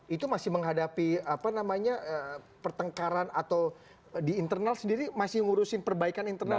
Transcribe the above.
itu masih menghadapi apa namanya pertengkaran atau di internal sendiri masih ngurusin perbaikan internal